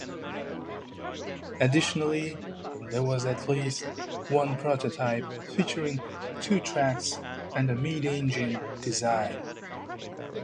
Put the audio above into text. Additionally there was at least one prototype featuring two tracks and a mid-engine design.